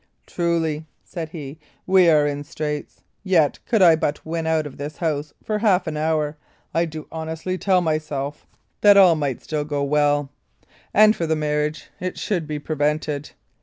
"Truly," said he, "we are in straits. Yet, could I but win out of this house for half an hour, I do honestly tell myself that all might still go well; and for the marriage, it should be prevented."